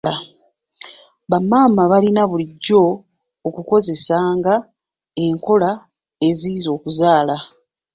Bamaama balina bulijo okukozesanga enkola eziziyiza okuzaala.